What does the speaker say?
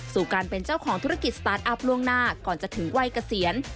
สู่การเป็นเจ้าของธุรกิจสตาร์ทอัพล่วงหน้าก่อนจะถึงวัยเกษียณ